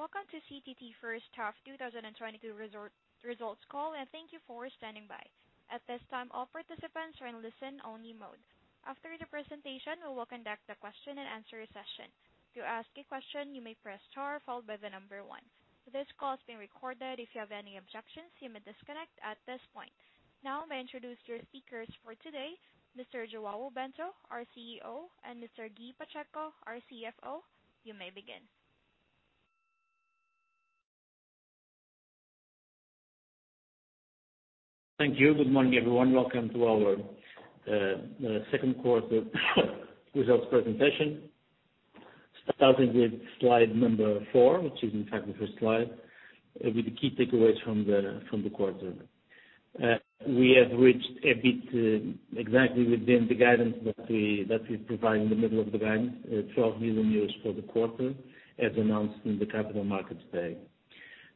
Welcome to CTT first half 2022 results call, and thank you for standing by. At this time, all participants are in listen-only mode. After the presentation, we will conduct a question-and-answer session. To ask a question, you may press star followed by the number one. This call is being recorded. If you have any objections, you may disconnect at this point. Now, I'll introduce your speakers for today, Mr. João Bento, our CEO, and Mr. Guy Pacheco, our CFO. You may begin. Thank you. Good morning, everyone. Welcome to our second quarter results presentation. Starting with slide number four, which is in fact the first slide, with the key takeaways from the quarter. We have reached exactly within the guidance that we provide in the middle of the guidance, 12 million euros for the quarter, as announced in the Capital Markets Day.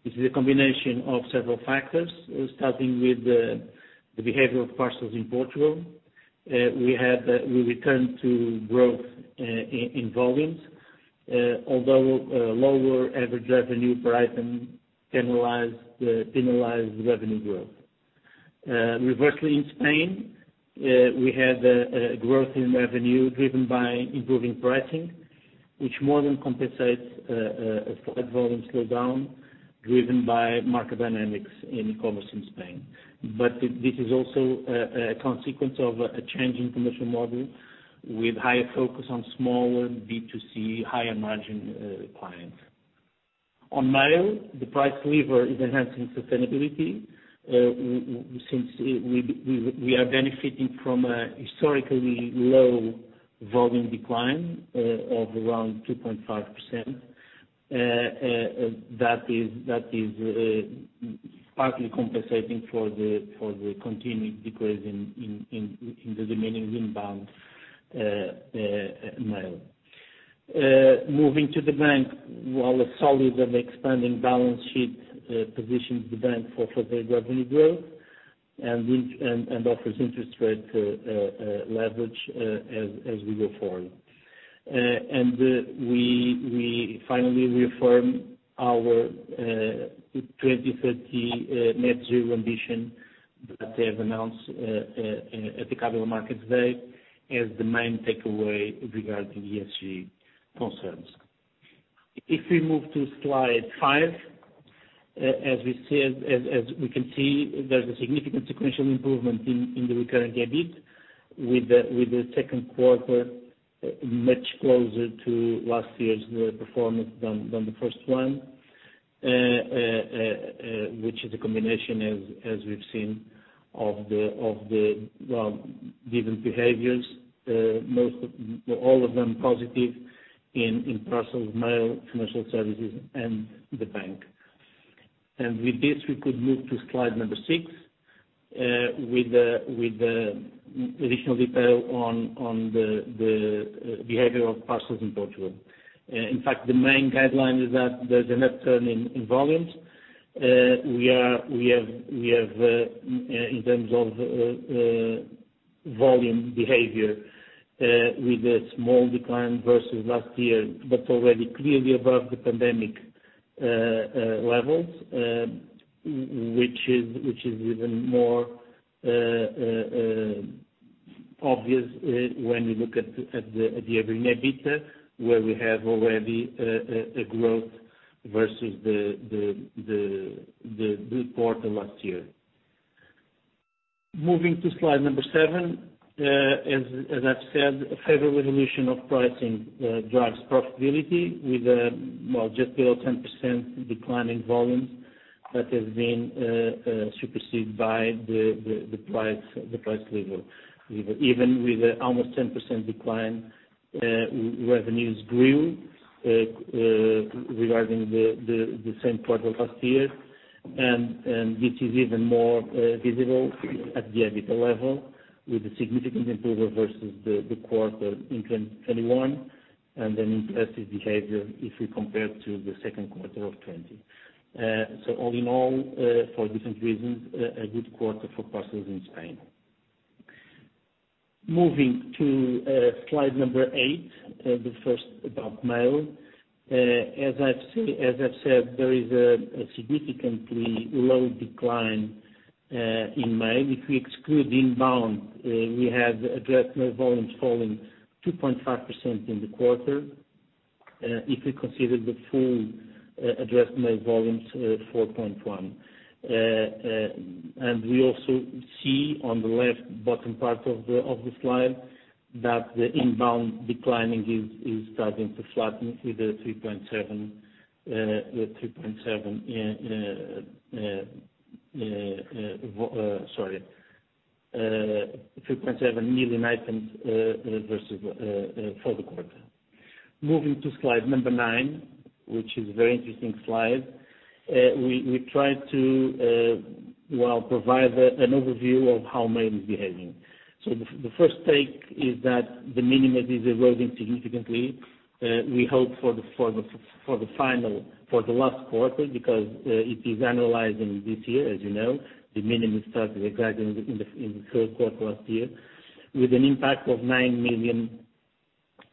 This is a combination of several factors, starting with the behavior of parcels in Portugal. We returned to growth in volumes, although lower average revenue per item penalized revenue growth. Conversely in Spain, we had a growth in revenue driven by improving pricing, which more than compensates a slight volume slowdown driven by market dynamics in e-commerce in Spain. This is also a consequence of a change in commercial model with higher focus on smaller B2C higher margin clients. On mail, the price lever is enhancing sustainability since we are benefiting from a historically low volume decline of around 2.5%. That is partly compensating for the continued decrease in the remaining inbound mail. Moving to the bank, while a solid and expanding balance sheet positions the bank for further revenue growth and offers interest rate leverage as we go forward. We finally reaffirm our 2030 net-zero ambition that they have announced at the Capital Markets Day as the main takeaway regarding ESG concerns. If we move to slide five, as we said, as we can see, there's a significant sequential improvement in the recurring EBIT with the second quarter much closer to last year's performance than the first one. Which is a combination as we've seen of the given behaviors, all of them positive in parcels, mail, commercial services and the bank. With this, we could move to slide number six, with the additional detail on the behavior of parcels in Portugal. In fact, the main guideline is that there's an upturn in volumes. We have in terms of volume behavior with a small decline versus last year, but already clearly above the pandemic levels, which is even more obvious when we look at the EBITDA, where we have already a growth versus the good quarter last year. Moving to slide number seven. As I've said, a favorable evolution of pricing drives profitability with well, just below 10% decline in volume that has been superseded by the price level. Even with almost 10% decline, revenues grew regarding the same quarter last year. This is even more visible at the EBITDA level with a significant improvement versus the quarter in 2021 and an impressive behavior if we compare to the second quarter of 2020. All in all, for different reasons, a good quarter for parcels in Spain. Moving to slide number eight, the first about mail. As I've said, there is a significantly low decline in mail. If we exclude inbound, we have addressed mail volumes falling 2.5% in the quarter. If we consider the full addressed mail volumes, 4.1%. We also see on the left bottom part of the slide that the inbound decline is starting to flatten with 3.7 million items versus for the quarter. Moving to slide number nine, which is very interesting slide. We try to well provide an overview of how mail is behaving. The first take is that the volume is eroding significantly. We hope for the last quarter because it is annualized in this year, as you know. The volume started exactly in the third quarter last year with an impact of 9 million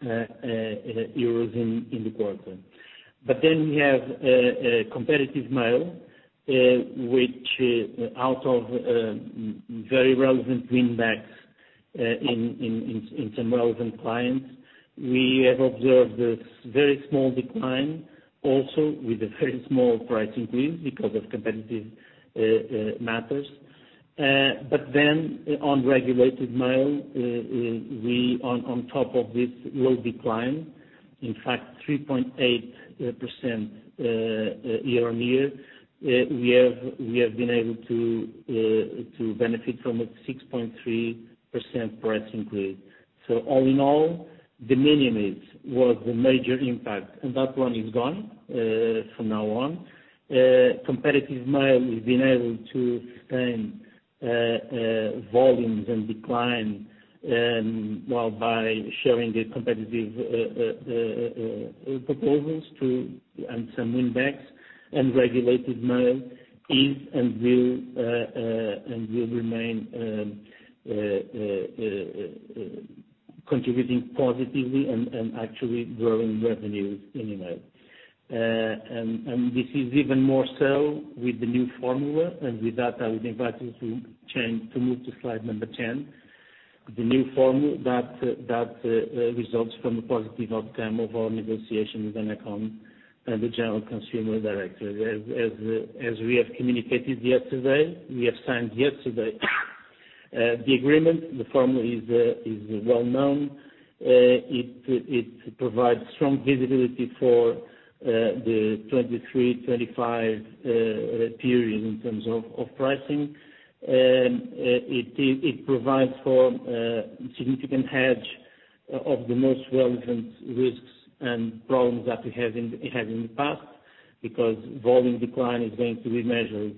euros in the quarter. We have a competitive mail, which out of very relevant win backs, in some relevant clients, we have observed this very small decline also with a very small price increase because of competitive matters. On regulated mail, we on top of this low decline, in fact 3.8% year-on-year, we have been able to benefit from a 6.3% price increase. All in all, de minimis was the major impact, and that one is gone from now on. Competitive mail, we've been able to sustain volumes and decline, well by showing the competitive proposals to and some win backs and regulated mail is and will remain contributing positively and actually growing revenues in mail. This is even more so with the new formula. With that, I would invite you to move to slide number 10. The new formula that results from a positive outcome of our negotiation with ANACOM and the Direção-Geral do Consumidor. As we have communicated yesterday, we have signed yesterday the agreement. The formula is well known. It provides strong visibility for the 2023-2025 period in terms of pricing. It provides for significant hedge of the most relevant risks and problems that we had in the past because volume decline is going to be measured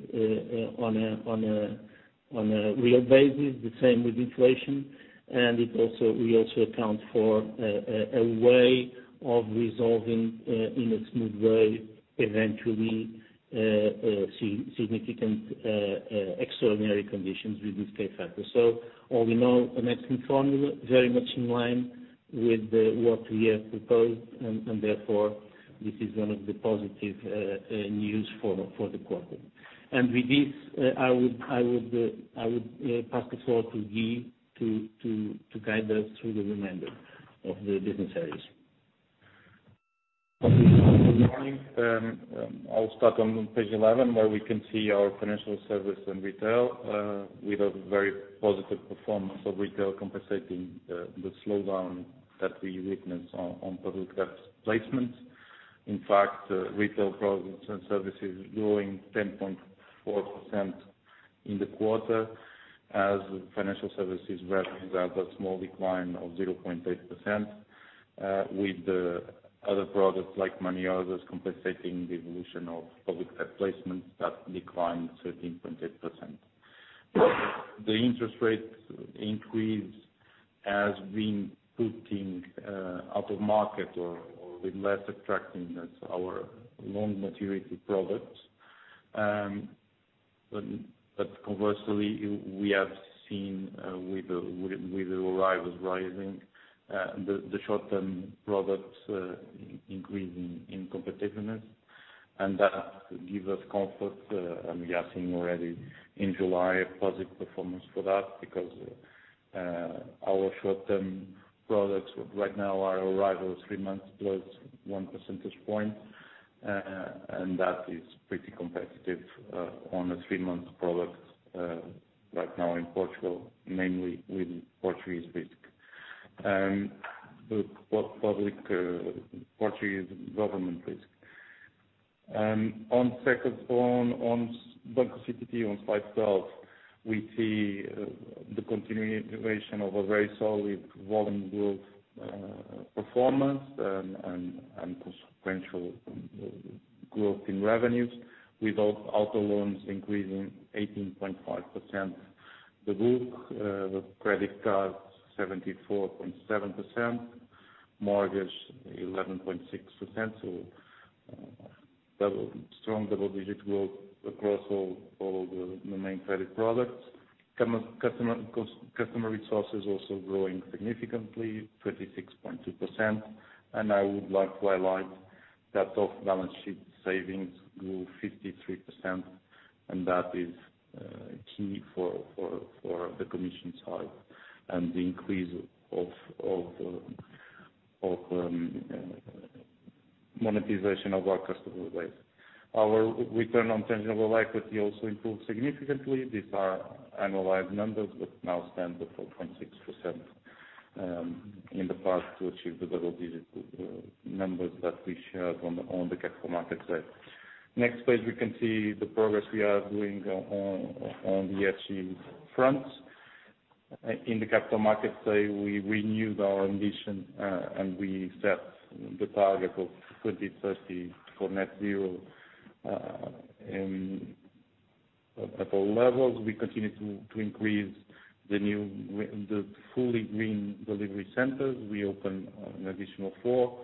on a real basis, the same with inflation. It also provides for a way of resolving in a smooth way, eventually, significant extraordinary conditions with this pay factor. As we know, an excellent formula, very much in line with what we have proposed and therefore this is one of the positive news for the quarter. With this, I would pass the floor to Guy to guide us through the remainder of the business areas. Good morning. I'll start on page 11, where we can see our Financial Services & Retail with a very positive performance of retail compensating the slowdown that we witness on public debt placements. In fact, retail products and services growing 10.4% in the quarter as financial services revenues have a small decline of 0.8%, with the other products like money orders compensating the evolution of public debt placements that declined 13.8%. The interest rates increase has been putting out of market or with less attractiveness our long maturity products. Conversely, we have seen with the interest rates rising, the short-term products increasing in competitiveness. That gives us comfort, and we are seeing already in July a positive performance for that because our short-term products right now are Euribor three months plus 1 percentage point, and that is pretty competitive on the three-month products right now in Portugal, mainly with Portuguese risk. The Portuguese government risk. On second one, on Banco CTT on slide 12, we see the continuing iteration of a very solid volume growth performance and consequential growth in revenues, with our auto loans increasing 18.5%. The credit cards 74.7%, mortgage 11.6%. Strong double-digit growth across all the main credit products. Customer resources also growing significantly, 36.2%. I would like to highlight that off-balance sheet savings grew 53%, and that is key for the commission side and the increase of monetization of our customer base. Our return on tangible equity also improved significantly. These are annualized numbers but now stand at 4.6%, in the past to achieve the double-digit numbers that we shared on the Capital Markets Day. Next page, we can see the progress we are doing on the ESG front. In the Capital Markets Day we renewed our ambition, and we set the target of 2030 for net-zero, and at all levels, we continue to increase the fully green delivery centers. We opened an additional four.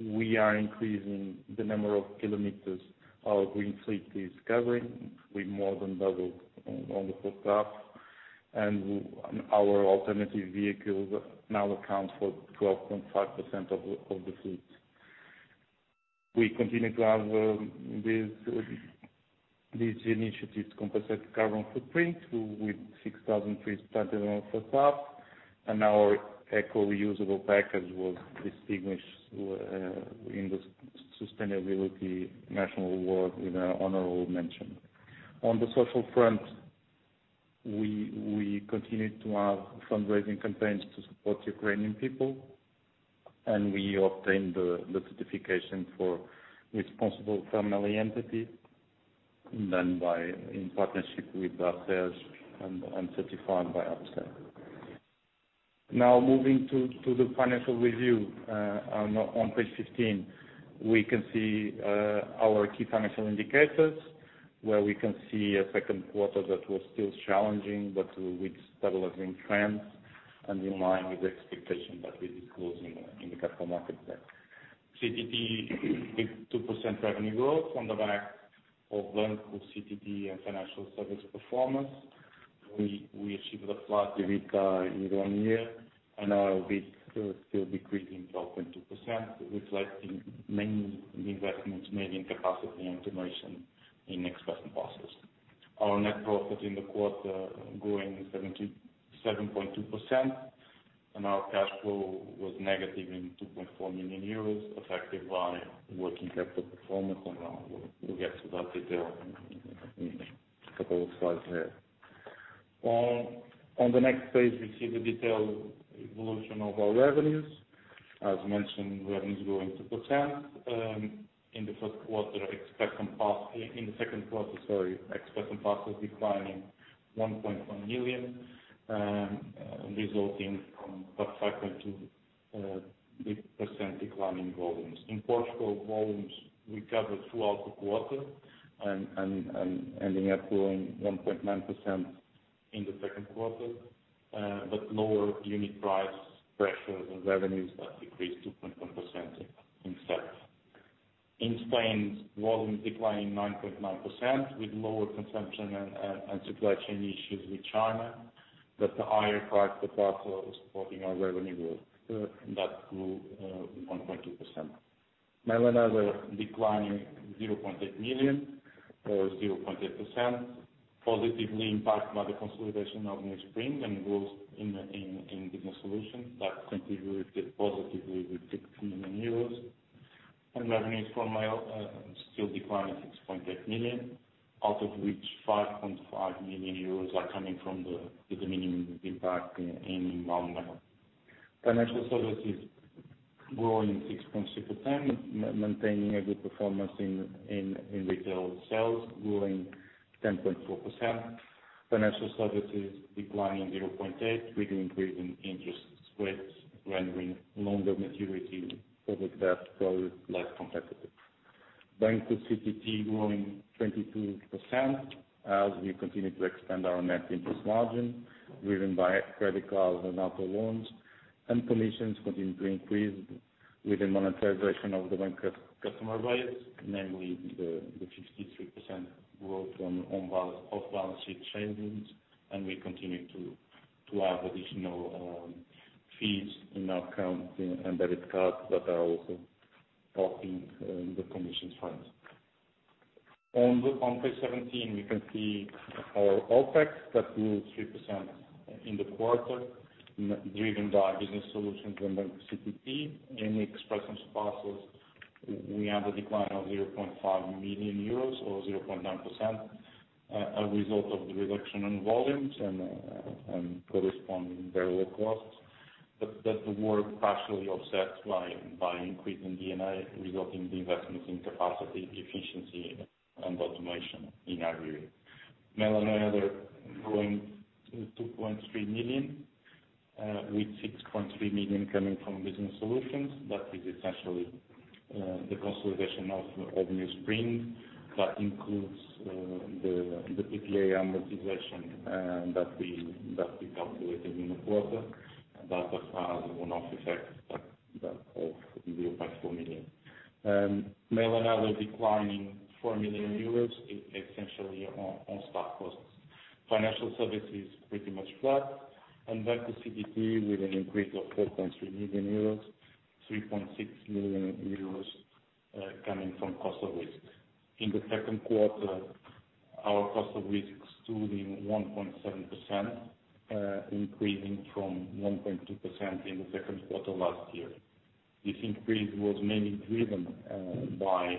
We are increasing the number of kilometers our green fleet is covering. We more than doubled on the first half. Our alternative vehicles now account for 12.5% of the fleet. We continue to have these initiatives to compensate our carbon footprint with 6,000 trees planted in Serra da Aboboreira and our eco reusable package was distinguished in the Prémio Nacional de Sustentabilidade with an honorable mention. On the social front, we continued to have fundraising campaigns to support Ukrainian people, and we obtained the certification for family-responsible entity in partnership with Barclays and certified by Upster. Now moving to the financial review, on page 15, we can see our key financial indicators, where we can see a second quarter that was still challenging but with stabilizing trends and in line with the expectation that we disclosed in the Capital Markets Day. CTT with 2% revenue growth on the back of Banco CTT and financial service performance. We achieved a flat EBITDA in one year and our cost of risk still decreasing 12.2%, reflecting many investments made in capacity and automation in Express and Parcels. Our net profit in the quarter growing 77.2% and our cash flow was negative 2.4 million euros, affected by working capital performance and we'll get to that detail in a couple of slides ahead. On the next page, we see the detailed evolution of our revenues. As mentioned, revenue is growing 2% in the first quarter, Express and Parcels. In the second quarter, sorry, Express and Parcels declining 1.1 million, resulting from that 5.2% decline in volumes. In Portugal, volumes recovered throughout the quarter ending up growing 1.9% in the second quarter, but lower unit price pressure, the revenues decreased 2.1% in sales. In Spain, volumes declining 9.9% with lower consumption and supply chain issues with China. The higher price of parcels supporting our revenue growth, and that grew 1.2%. Mail & Other declining 0.8 million or 0.8%, positively impacted by the consolidation of NewSpring and growth in the Business Solutions that contributed positively with 60 million euros. Revenues from mail still declining 6.8 million, out of which 5.5 million euros are coming from the de minimis impact in Mail & Other. Financial services growing 6.6%, maintaining a good performance in retail sales, growing 10.4%. Financial services declining 0.8% with increasing interest spreads, rendering longer maturity public debt products less competitive. Banco CTT growing 22% as we continue to expand our net interest margin driven by credit cards and auto loans, and commissions continue to increase with the monetization of the bank customer base, namely the 53% growth on off-balance sheet trade loans. We continue to add additional fees in our account embedded cards that are also helping the commissions front. On page 17, you can see our OpEx that grew 3% in the quarter, driven by business solutions and Banco CTT. In Express & Parcels, we had a decline of 0.5 million euros or 0.9%, a result of the reduction in volumes and corresponding variable costs. That were partially offset by increasing D&A resulting from the investments in capacity, efficiency and automation in our unit. Mail & Other growing 2.3 million, with 6.3 million coming from Business Solutions. That is essentially the consolidation of NewSpring. That includes the PPA amortization that we calculated in the quarter. That's a one-off effect of EUR 0.4 million. Mail & Other declining 4 million euros essentially on staff costs. Financial Services pretty much flat. Banco CTT with an increase of 4.3 million euros, 3.6 million euros coming from cost of risk. In the second quarter, our cost of risk stood at 1.7%, increasing from 1.2% in the second quarter last year. This increase was mainly driven by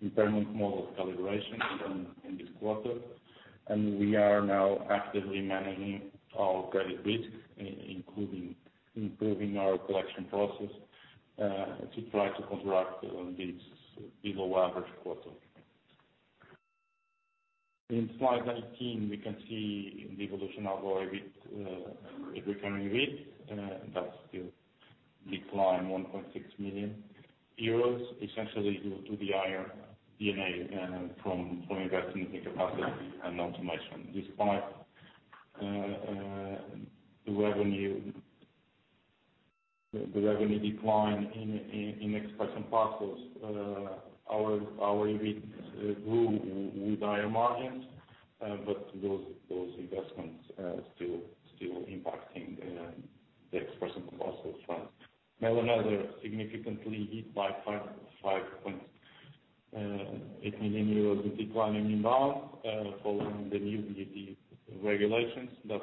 impairment model calibrations in this quarter, and we are now actively managing our credit risk, including improving our collection process, to try to counteract this below-average quarter. In slide 19, we can see the evolution of our EBIT recovery rate that still declined 1.6 million euros, essentially due to the higher D&A from investing in capacity and automation despite the revenue decline in Express and Parcels. Our EBIT grew with higher margins, but those investments are still impacting the Express and Parcels front. Mail & Other significantly hit by 5.8 million euros with declining mail following the new EU regulations that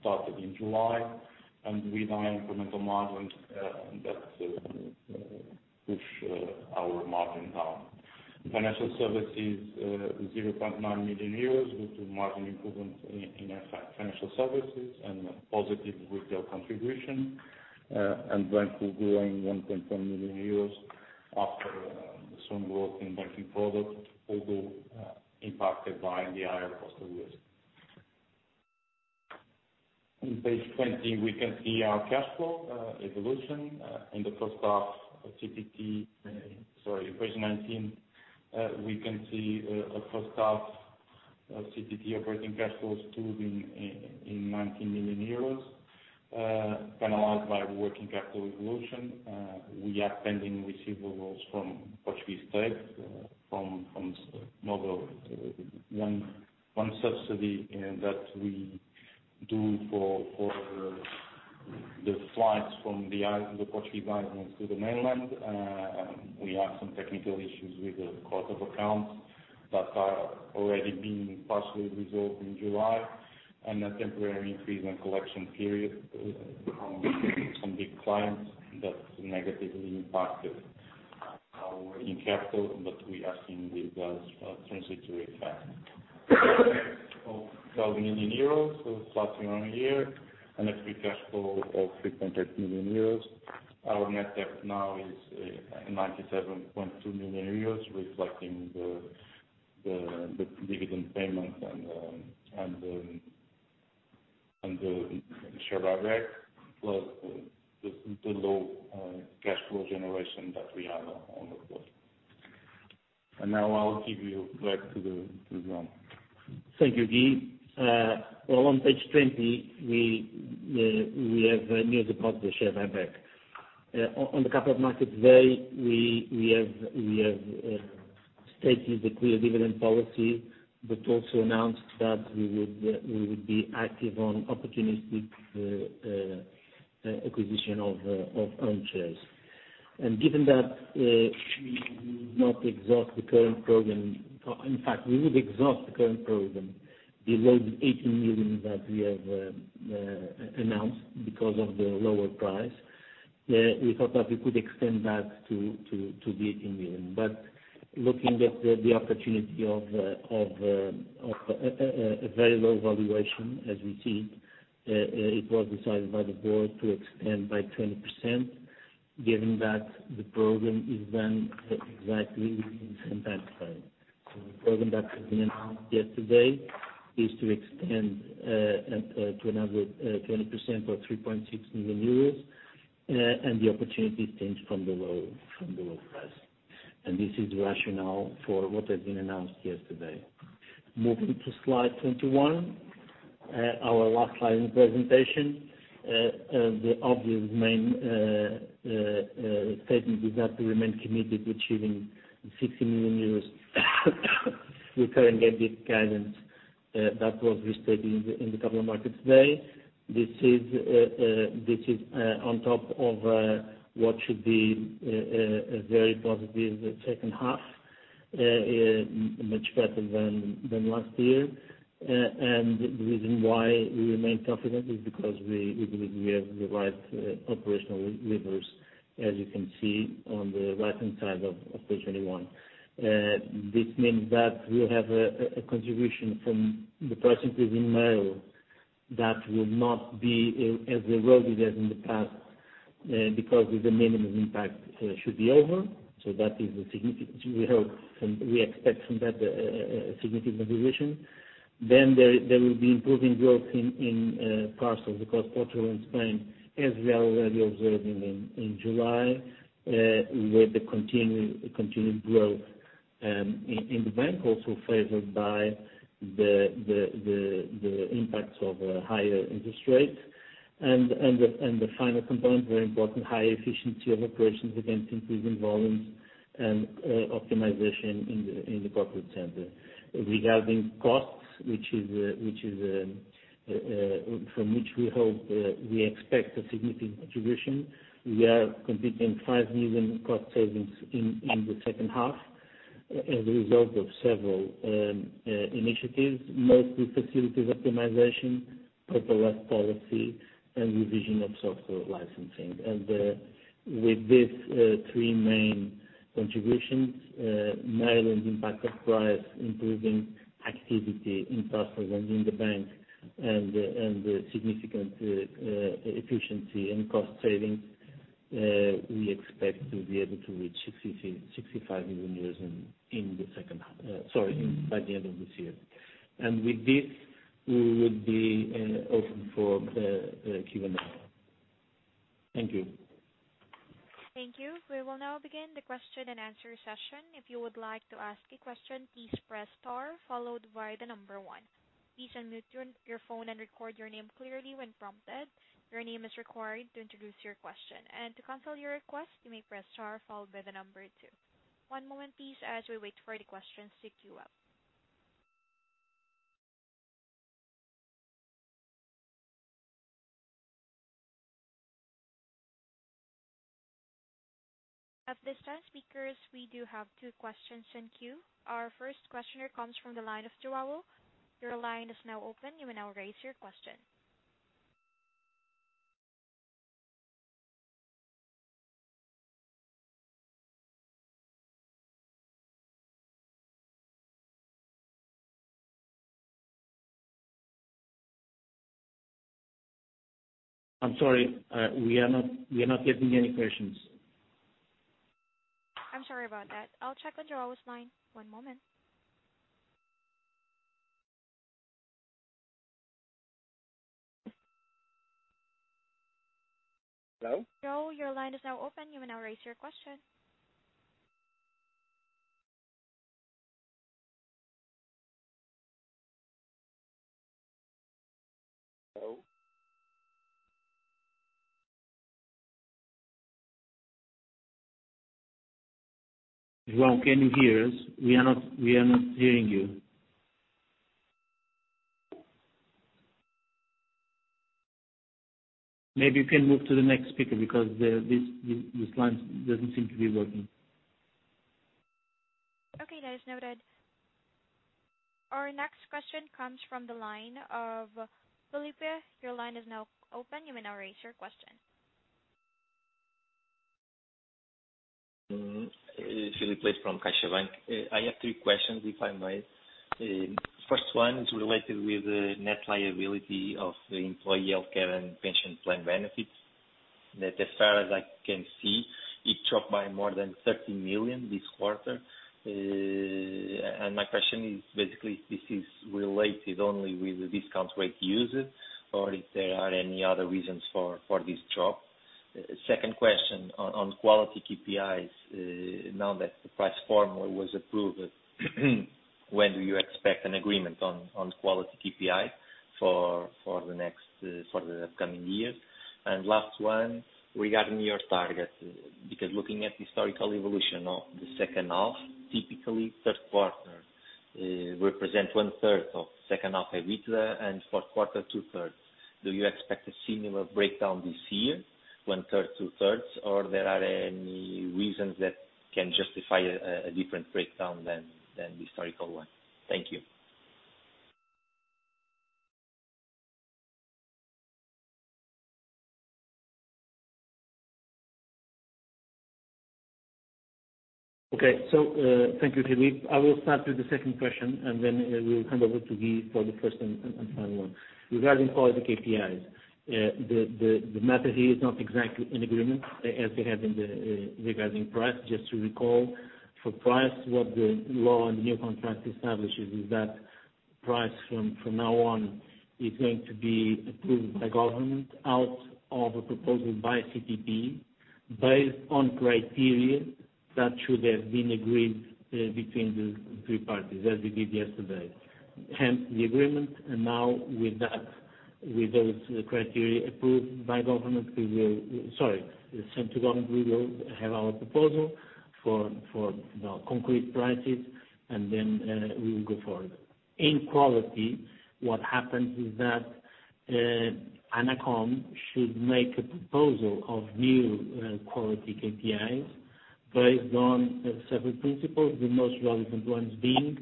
started in July. With our incremental margins that push our margin down. Financial Services 0.9 million euros with margin improvement in our financial services and positive retail contribution and bank growing 1.4 million euros after some growth in banking products although impacted by the higher cost of risk. On page 20 we can see our cash flow evolution in the first half of CTT. Sorry, page 19, we can see our first half CTT operating cash flows being in 19 million euros penalized by working capital evolution. We have pending receivables from Portuguese tech from Novo Banco. One subsidy that we do for the flights from the islands, the Portuguese islands to the mainland. We have some technical issues with the cost of accounts that are already being partially resolved in July, and a temporary increase in collection period from some big clients that negatively impacted our working capital. We are seeing this as a transitory effect. Of EUR 12 million, so flat year-on-year, and free cash flow of 3.8 million euros. Our Net Debt now is 97.2 million euros, reflecting the dividend payment and the share buyback, plus the low cash flow generation that we have on the board. Now I'll give you back to João. Thank you, Guy. On page 20 we have news about the share buyback. On the Capital Markets Day, we have stated the clear dividend policy, but also announced that we would be active on opportunistic acquisition of own shares. Given that, we would not exhaust the current program, in fact, we would exhaust the current program below the 18 million that we have announced because of the lower price. We thought that we could extend that to 18 million. Looking at the opportunity of a very low valuation as we see, it was decided by the board to extend by 20% given that the program is run exactly within the same time frame. The program that has been announced yesterday is to extend to another 20% or 3.6 million euros, and the opportunity stems from the low price. This is the rationale for what has been announced yesterday. Moving to slide 21, our last slide in the presentation. The obvious main statement is that we remain committed to achieving 60 million euros recurring EBIT guidance that was restated in the Capital Markets Day. This is on top of what should be a very positive second half, much better than last year. The reason why we remain confident is because we believe we have the right operational levers, as you can see on the right-hand side of page 21. This means that we'll have a contribution from the price increase in mail that will not be as eroded as in the past, because the de minimis impact should be over. That is a significant evolution. We expect some better, significant evolution. There will be improving growth in parcels across Portugal and Spain, as we are already observing in July with the continued growth in the bank also favored by the impacts of higher interest rates. The final component, very important, high efficiency of operations against increasing volumes and optimization in the corporate center. Regarding costs, from which we expect a significant contribution, we are completing 5 million cost savings in the second half as a result of several initiatives, mostly facilities optimization, paperless policy and revision of software licensing. With this three main contributions, mail and impact of price, improving activity in parcels and in the bank and the significant efficiency and cost savings, we expect to be able to reach 65 million in the second half, sorry, by the end of this year. With this we will be open for Q&A. Thank you. Thank you. We will now begin the question and answer session. If you would like to ask a question, please press star followed by the number one. Please unmute your phone and record your name clearly when prompted. Your name is required to introduce your question. To cancel your request, you may press star followed by the number two. One moment please as we wait for the questions to queue up. At this time speakers, we do have two questions in queue. Our first questioner comes from the line of João. Your line is now open. You may now raise your question. I'm sorry, we are not getting any questions. I'm sorry about that. I'll check with João's line. One moment. Hello? João, your line is now open. You may now raise your question. Hello? João, can you hear us? We are not hearing you. Maybe you can move to the next speaker because this line doesn't seem to be working. Okay, that is noted. Our next question comes from the line of Filipe. Your line is now open. You may now raise your question. Filipe from CaixaBank. I have three questions, if I may. First one is related with the net liability of the employee healthcare and pension plan benefits, that as far as I can see, it dropped by more than 30 million this quarter. My question is basically this is related only with the discount rate used, or if there are any other reasons for this drop. Second question on quality KPIs. Now that the price formula was approved, when do you expect an agreement on quality KPIs for the upcoming years? Last one, regarding your targets, because looking at historical evolution of the second half, typically first quarter represent 1/3 of second half EBITDA and fourth quarter 2/3. Do you expect a similar breakdown this year, 1/3, 2/3? Are there any reasons that can justify a different breakdown than the historical one? Thank you. Okay. Thank you, Filipe. I will start with the second question, and then we'll hand over to Guy for the first and final one. Regarding quality KPIs, the matter here is not exactly an agreement as we have in the regarding price. Just to recall, for price, what the law on the new contract establishes is that price from now on is going to be approved by government out of a proposal by CTT based on criteria that should have been agreed between the three parties, as we did yesterday. Hence the agreement. Now with that, with those criteria approved by government, we will. Sorry, sent to government, we will have our proposal for you know concrete prices and then, we will go forward. In quality, what happens is that ANACOM should make a proposal of new quality KPIs based on several principles, the most relevant ones being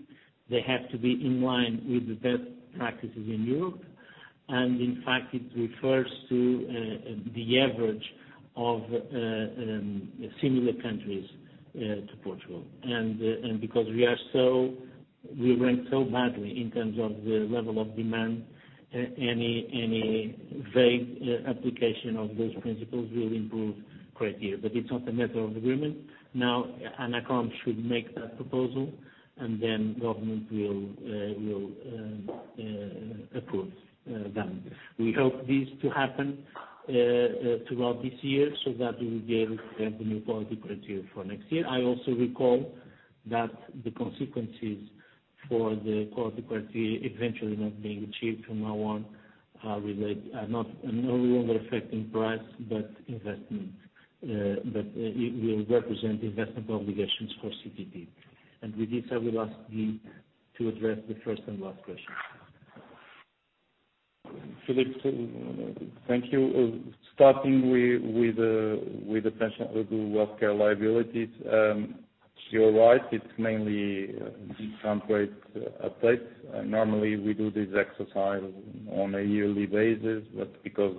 they have to be in line with the best practices in Europe. In fact, it refers to the average of similar countries to Portugal. Because we rank so badly in terms of the level of demand, any vague application of those principles will improve criteria. It's not a matter of agreement. Now, ANACOM should make that proposal and then government will approve them. We hope this to happen throughout this year so that we will be able to have the new quality criteria for next year. I also recall that the consequences for the quality criteria eventually not being achieved from now on are not only affecting price but investment, but it will represent investment obligations for CTT. With this, I will ask Guy to address the first and last question. Filipe, thank you. Starting with the pension or the welfare liabilities, you're right. It's mainly discount rate updates. Normally we do this exercise on a yearly basis. Because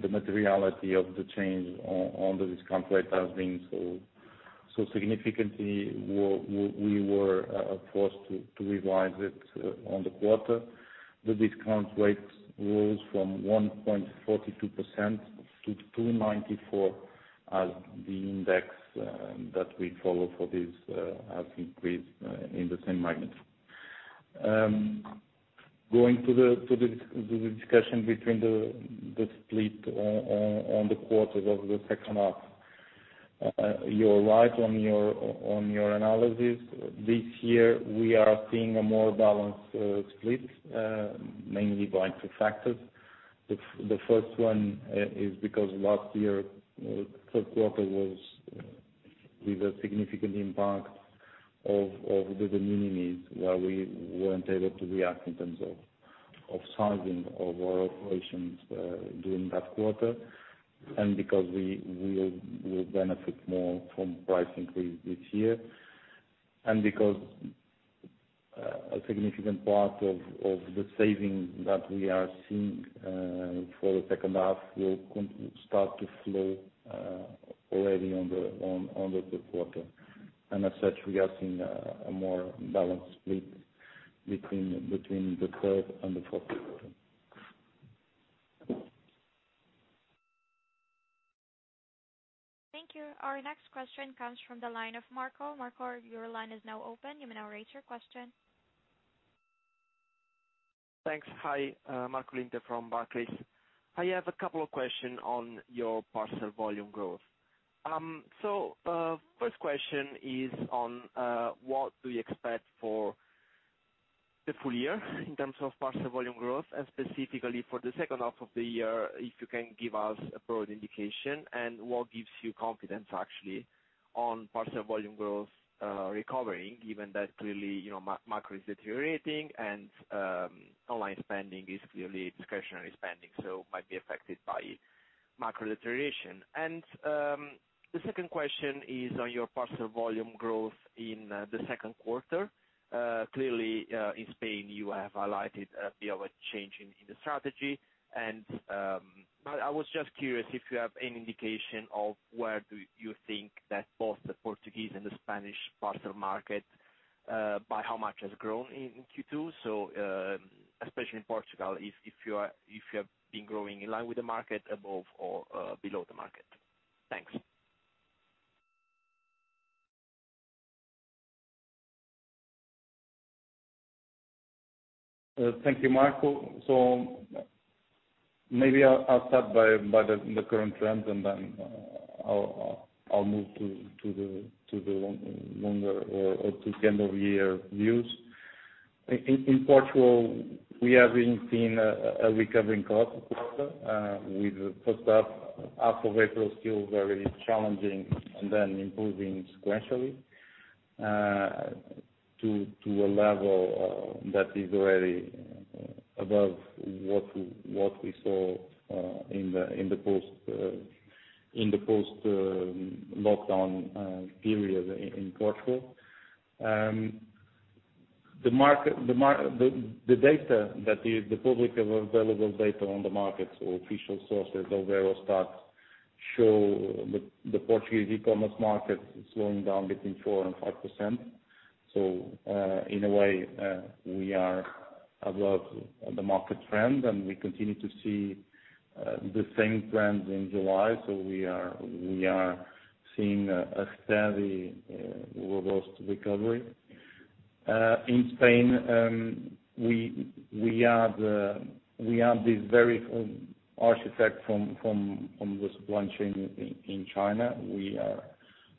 the materiality of the change on the discount rate has been so significantly, we were forced to revise it on the quarter. The discount rate rose from 1.42% to 2.94% as the index that we follow for this has increased in the same magnitude. Going to the discussion between the split on the quarters of the second half. You're right on your analysis. This year we are seeing a more balanced split mainly by two factors. The first one is because last year third quarter was with a significant impact of the de minimis, where we weren't able to react in terms of sizing of our operations during that quarter. Because we will benefit more from price increase this year. Because a significant part of the savings that we are seeing for the second half will start to flow already on the third quarter. As such, we are seeing a more balanced split between the third and the fourth quarter. Thank you. Our next question comes from the line of Marco. Marco, your line is now open. You may now raise your question. Thanks. Hi. Marco Limite from Barclays. I have a couple of questions on your parcel volume growth. First question is on what do you expect for the full year in terms of parcel volume growth, and specifically for the second half of the year, if you can give us a broad indication? What gives you confidence actually on parcel volume growth recovering, given that clearly, you know, macro is deteriorating and online spending is clearly discretionary spending, so might be affected by macro deterioration? The second question is on your parcel volume growth in the second quarter. Clearly, in Spain you have highlighted a bit of a change in the strategy, but I was just curious if you have any indication of where do you think that both the Portuguese and the Spanish parcel market by how much has grown in Q2? Especially in Portugal, if you have been growing in line with the market above or below the market. Thanks. Thank you, Marco. Maybe I'll start by the current trends, and then I'll move to the longer or to end of year views. In Portugal we have been seeing a recovering quarter, with first half of April still very challenging and then improving sequentially, to a level that is already above what we saw in the post-lockdown period in Portugal. The data that is the publicly available data on the markets or official sources or various stats show the Portuguese e-commerce market is slowing down between 4% and 5%. In a way, we are above the market trend, and we continue to see the same trends in July. We are seeing a steady robust recovery. In Spain, we had this very after-effect from the supply chain in China.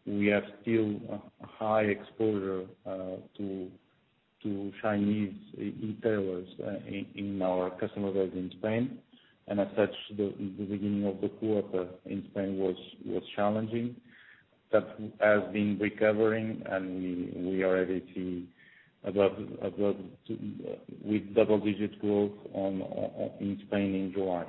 We have still a high exposure to Chinese e-tailers in our customer base in Spain. As such, the beginning of the quarter in Spain was challenging. That has been recovering and we already see above 10 with double-digit growth in Spain in July.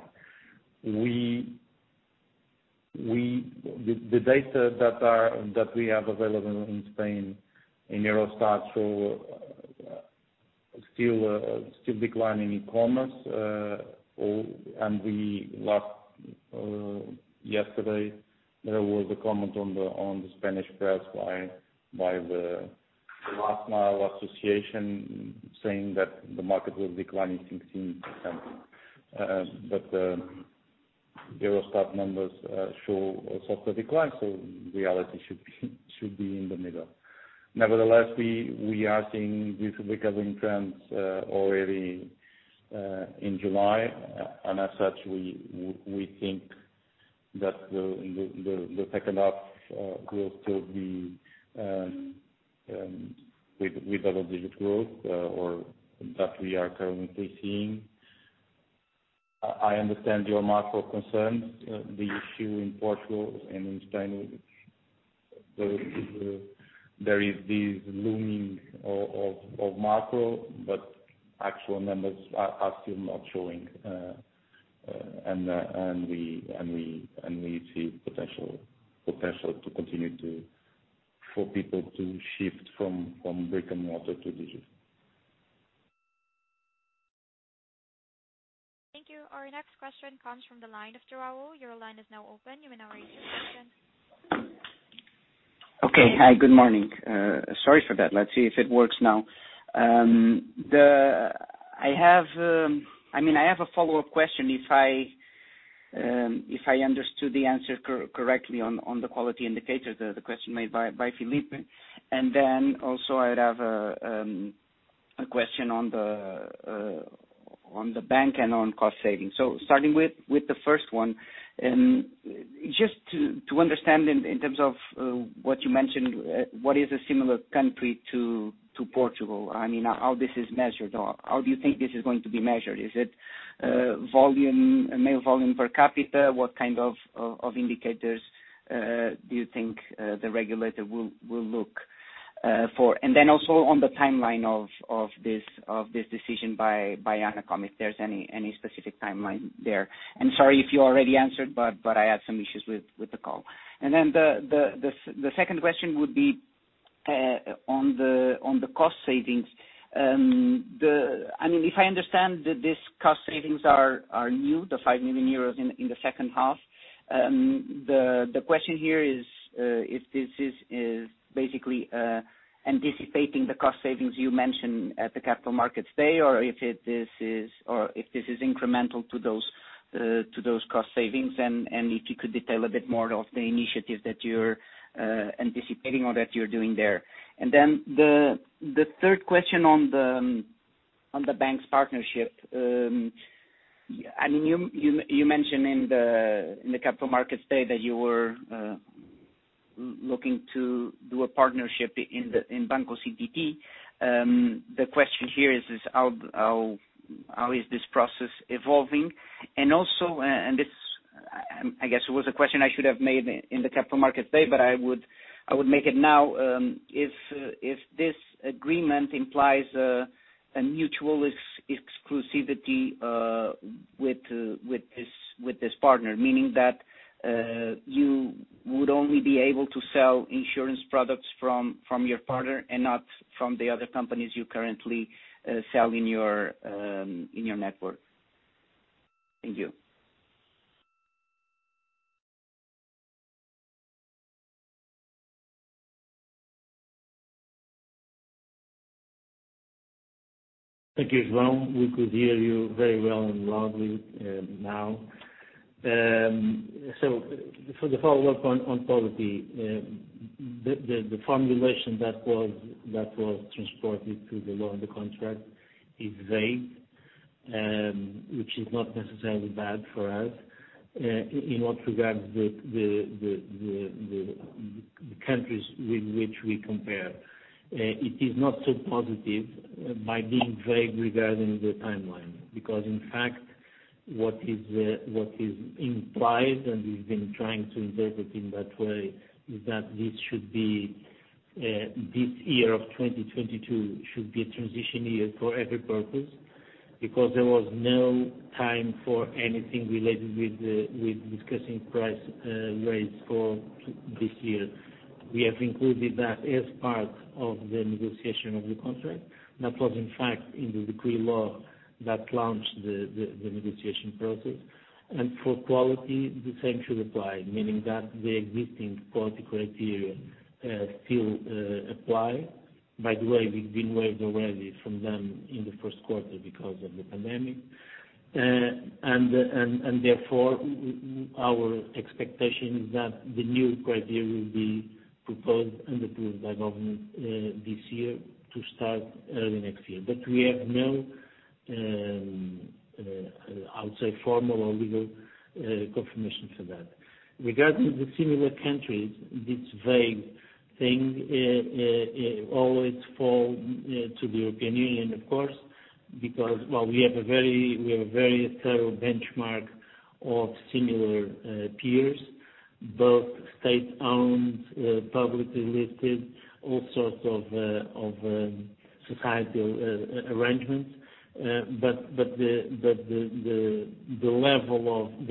The data that we have available in Spain, in Eurostat show still declining e-commerce. Yesterday there was a comment on the Spanish press by the last mile association saying that the market will decline 16%. The Eurostat numbers show a softer decline, so reality should be in the middle. Nevertheless, we are seeing these recovering trends already in July. As such, we think that the second half will still be with double-digit growth or that we are currently seeing. I understand your macro concerns. The issue in Portugal and in Spain, there is this looming of macro, but actual numbers are still not showing, and we see potential to continue to, for people to shift from brick-and-mortar to digital. Thank you. Our next question comes from the line of João Sousa. Your line is now open. You may now raise your question. Okay. Hi, good morning. Sorry for that. Let's see if it works now. I mean, I have a follow-up question if I understood the answer correctly on the quality indicator, the question made by Filipe. Then also I'd have a question on the bank and on cost savings. Starting with the first one, just to understand in terms of what you mentioned, what is a similar country to Portugal? I mean, how this is measured, or how do you think this is going to be measured? Is it volume, mail volume per capita? What kind of indicators do you think the regulator will look for? Then also on the timeline of this decision by ANACOM, if there's any specific timeline there. Sorry if you already answered, but I had some issues with the call. The second question would be on the cost savings. I mean, if I understand that these cost savings are new, the 5 million euros in the second half, the question here is if this is basically anticipating the cost savings you mentioned at the Capital Markets Day? Or if this is incremental to those cost savings, and if you could detail a bit more of the initiative that you're anticipating or that you're doing there? The third question on the bank's partnership, I mean, you mentioned in the Capital Markets Day that you were looking to do a partnership in Banco CTT. The question here is how is this process evolving? This, I guess, was a question I should have made in the Capital Markets Day, but I would make it now. If this agreement implies a mutual exclusivity with this partner, meaning that you would only be able to sell insurance products from your partner and not from the other companies you currently sell in your network. Thank you. Thank you, João. We could hear you very well and loudly, now. For the follow-up on quality, the formulation that was transposed to the law or the contract is vague, which is not necessarily bad for us. In what regards the countries with which we compare, it is not so positive but being vague regarding the timeline. Because in fact, what is implied, and we've been trying to interpret in that way, is that this year of 2022 should be a transition year for every purpose, because there was no time for anything related with discussing price raise for this year. We have included that as part of the negotiation of the contract. That was in fact in the decree law that launched the negotiation process. For quality, the same should apply, meaning that the existing quality criteria still apply. By the way, we've been waived already from them in the first quarter because of the pandemic. Therefore, our expectation is that the new criteria will be proposed and approved by government this year to start early next year. We have no, I would say, formal or legal confirmation for that. Regarding the similar countries, this vague thing always fall to the European Union, of course, because while we have a very thorough benchmark of similar peers, both state-owned, publicly listed, all sorts of societal arrangements. The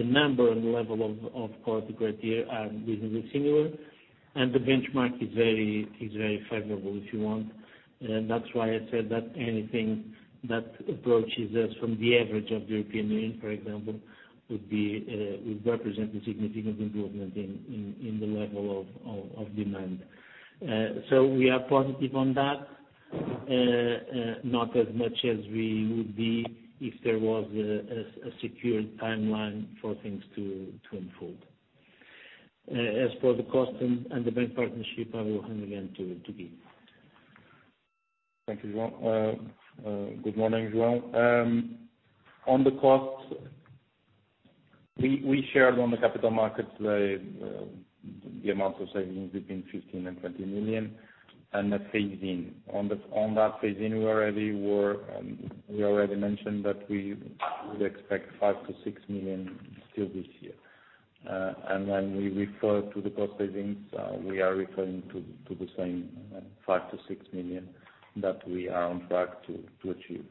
number and level of quality criteria are reasonably similar, and the benchmark is very favorable, if you want. That's why I said that anything that approaches us from the average of European Union, for example, would represent a significant improvement in the level of demand. We are positive on that. Not as much as we would be if there was a secure timeline for things to unfold. As for the cost and the bank partnership, I will hand again to Guy. Thank you, João. Good morning, João. On the costs, we shared on the Capital Markets Day the amount of savings between 15 million-20 million, and the phase-in. On that phase-in, we already mentioned that we would expect 5 million-6 million still this year. When we refer to the cost savings, we are referring to the same 5 million-6 million that we are on track to achieve.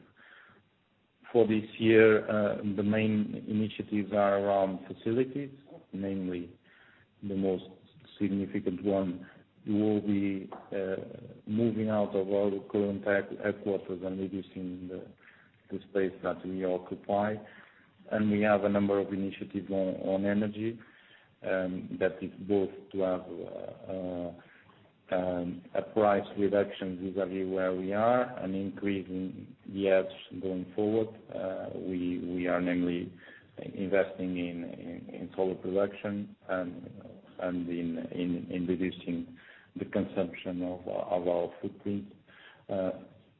For this year, the main initiatives are around facilities, namely the most significant one will be moving out of our current headquarters and reducing the space that we occupy. We have a number of initiatives on energy that is both to have a price reduction vis-a-vis where we are and increase in the EVs going forward. We are namely investing in solar production and in reducing the consumption of our footprint.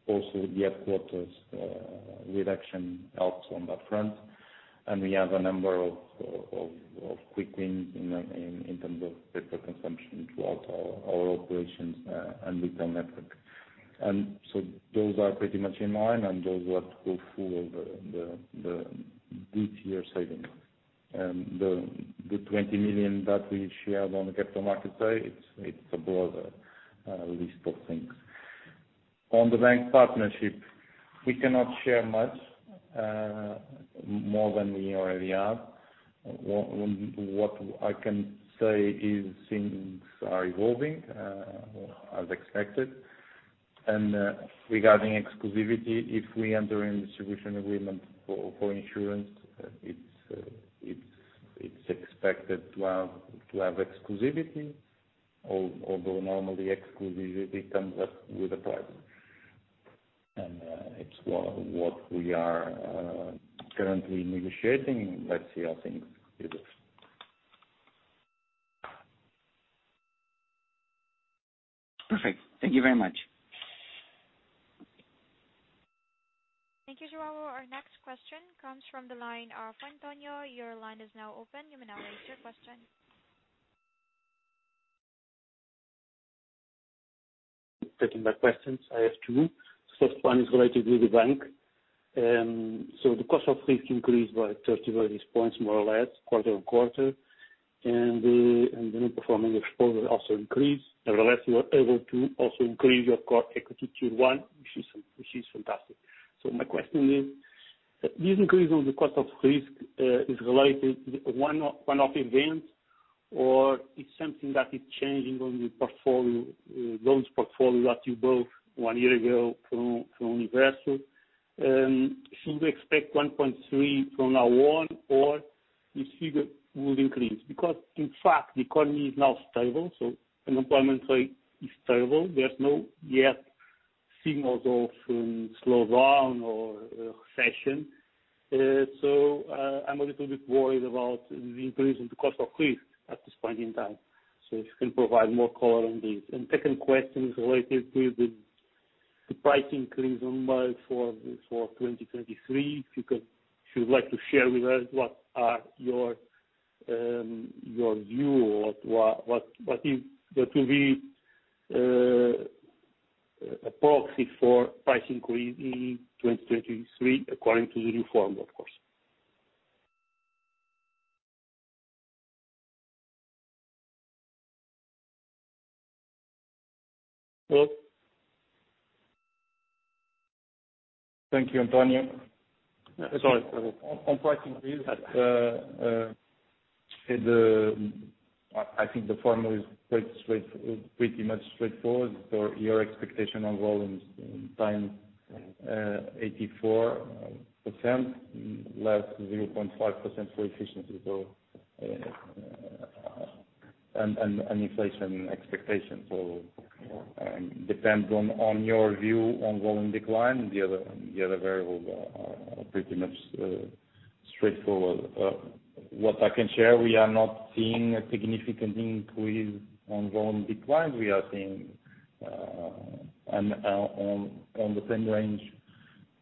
Also the headquarters reduction helps on that front. We have a number of quick wins in terms of paper consumption throughout our operations and retail network. Those are pretty much in line and those were to go through this year's savings. The 20 million that we shared on the Capital Markets Day is a broader list of things. On the bank partnership, we cannot share much more than we already have. What I can say is things are evolving as expected. Regarding exclusivity, if we enter in distribution agreement for insurance, it's expected to have exclusivity, although normally exclusivity comes up with a price. It's what we are currently negotiating. Let's see how things progress. Perfect. Thank you very much. Thank you, João. Our next question comes from the line of António Seladas. Your line is now open. You may now raise your question. Taking my questions. I have two. First one is related with the bank. The cost of risk increased by 30 basis points, more or less, quarter-on-quarter. The non-performing exposure also increased. Nevertheless, you are able to also increase your Common Equity Tier 1, which is fantastic. My question is, this increase in the cost of risk is related to one-off event, or it's something that is changing in the portfolio, the portfolio that you bought one year ago from Universo. Should we expect 1.3% from now on, or this figure will increase? Because in fact, the economy is now stable, unemployment rate is stable. There are no signs yet of slowdown or a recession. I'm a little bit worried about the increase in the cost of risk at this point in time. If you can provide more color on this? Second question is related to the price increase number for 2023. If you would like to share with us what your view is, or what will be a proxy for price increase in 2023, according to the new norm, of course? Thank you, Antonio. Sorry. On price increase, I think the formula is pretty much straightforward. Your expectation on volumes times 84% less 0.5% for efficiency, and inflation expectations. It depends on your view on volume decline. The other variables are pretty much straightforward. What I can share, we are not seeing a significant increase on volume decline. We are seeing the same range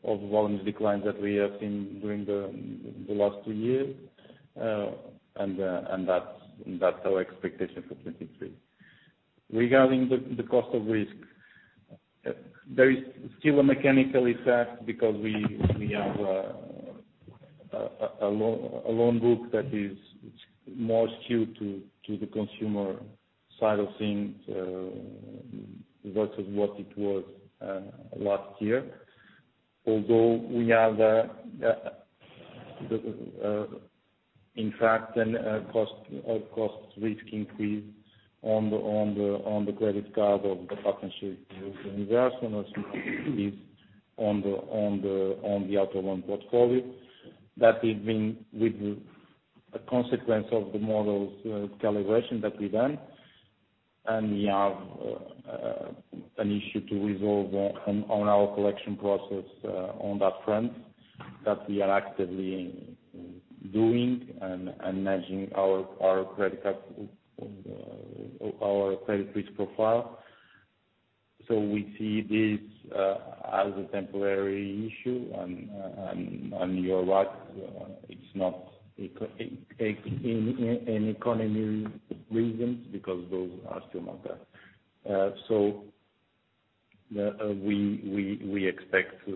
of volumes decline that we have seen during the last two years, and that's our expectation for 2023. Regarding the cost of risk, there is still a mechanical effect because we have a loan book that is more skewed to the consumer side of things versus what it was last year. Although we have in fact a cost of risk increase on the credit card of the partnership with Universo on the auto loan portfolio. That has been a consequence of the model's calibration that we've done. We have an issue to resolve on our collection process on that front that we are actively doing and managing our credit card our credit risk profile. We see this as a temporary issue. You're right, it's not for any economic reasons because those are still not there. We expect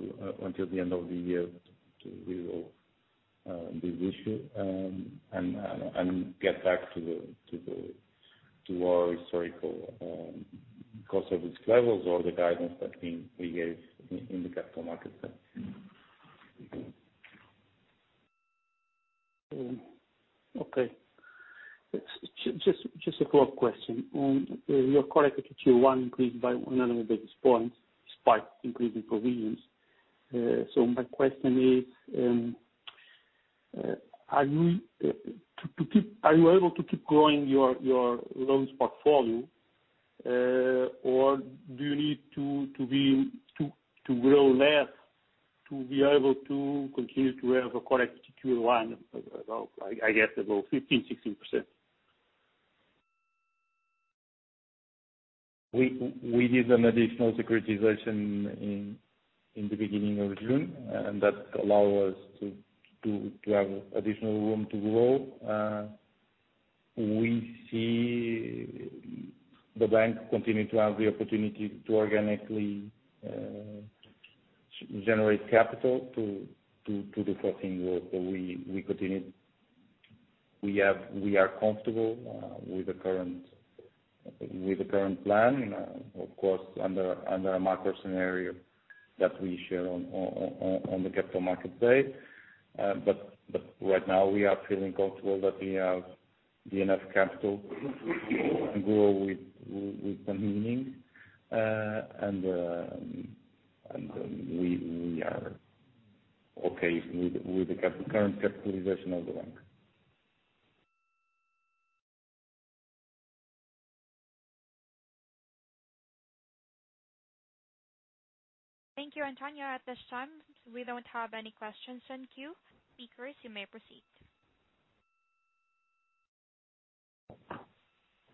until the end of the year to resolve this issue and get back to our historical cost of risk levels or the guidance that we gave in the Capital Markets Day. Okay. Just a follow-up question on your Common Equity Tier 1 increased by 100 basis points despite increasing provisions. My question is, are you able to keep growing your loans portfolio? Or do you need to grow less to be able to continue to have a correct CET1 of about 15%-16%? We did an additional securitization in the beginning of June, and that allow us to have additional room to grow. We see the bank continue to have the opportunity to organically generate capital to the 14% growth that we continued. We are comfortable with the current plan, of course, under a macro scenario that we share on the Capital Markets Day. Right now we are feeling comfortable that we have enough capital to grow with some meaning. We are okay with the current capitalization of the bank. Thank you, António. At this time, we don't have any questions in queue. Speakers, you may proceed.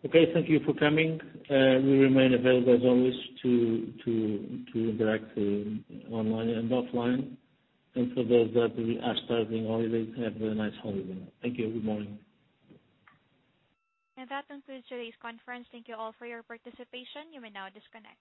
Okay. Thank you for coming. We remain available as always to interact online and offline. For those that will be starting holidays, have a very nice holiday. Thank you. Good morning. That concludes today's conference. Thank you all for your participation. You may now disconnect.